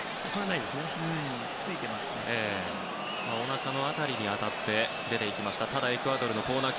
おなかの辺りに当たって出ていきました。